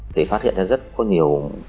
thì phát hiện ra rất có nhiều